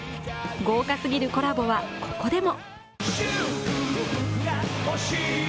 豪華すぎるコラボは、ここでも。